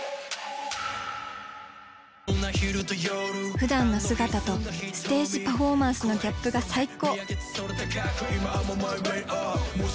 ふだんの姿とステージパフォーマンスのギャップが最高！